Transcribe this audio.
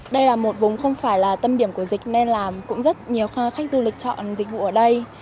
đây là một vùng không phải là tâm điểm của dịch nên là cũng rất nhiều khách du lịch chọn dịch vụ ở đây